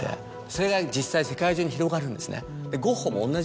それが実際世界中に広がるんですね。